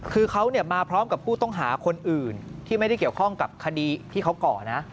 คือเขามาพร้อมกับผู้ต้องหาคนอื่นที่ไม่ได้เกี่ยวข้องกับคดีที่เขาก่อนะ